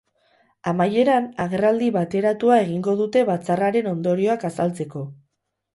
Amaieran, agerraldi bateratua egingo dute batzarraren ondorioak azaltzeko.